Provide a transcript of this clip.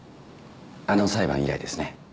あの裁判以来ですね。